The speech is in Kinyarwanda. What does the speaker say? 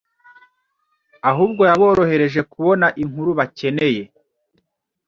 ahubwo yaborohereje kubona inkuru bakeneye.